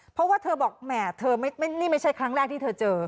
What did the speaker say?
เพราะว่าเธอบอกแหมเธอนี่ไม่ใช่ครั้งแรกที่เธอเจอ